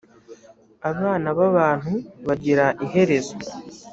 abana b’abantu bagira iherezo